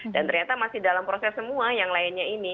dan ternyata masih dalam proses semua yang lainnya ini